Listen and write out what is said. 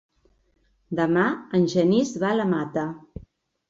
Demà en Genís va a la Mata.